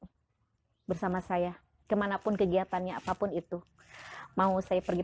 kondisi akbar yang tak mudah dimengerti dan seringkali memunculkan perlakuan buruk dan